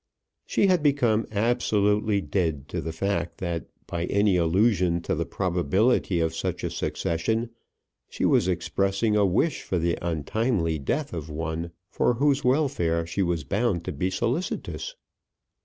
She had become absolutely dead to the fact that by any allusion to the probability of such a succession she was expressing a wish for the untimely death of one for whose welfare she was bound to be solicitous.